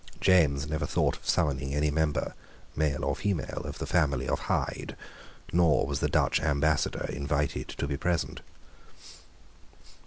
James never thought of summoning any member, male or female, of the family of Hyde; nor was the Dutch Ambassador invited to be present.